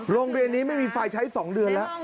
โรงเรียนนี้ไม่มีไฟใช้๒เดือนแล้ว